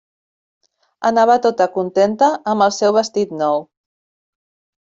Anava tota contenta amb el seu vestit nou.